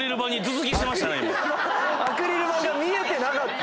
アクリル板が見えてなかった。